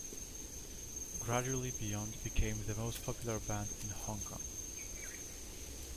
Gradually Beyond became the most popular band in Hong Kong.